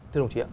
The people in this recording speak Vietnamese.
thưa đồng chí ạ